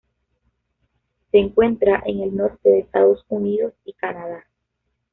Se encuentra en el norte de Estados Unidos y Canadá.